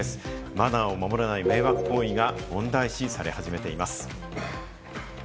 マナーを守らない迷惑行為が問題視され始めています。